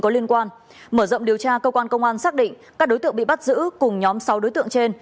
mở rộng điều tra cơ quan công an xác định các đối tượng bị bắt giữ cùng nhóm sáu đối tượng trên